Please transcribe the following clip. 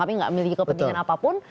tapi gak miliki kepentingan apapun